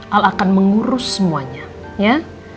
hal akan mengurus semuanya ya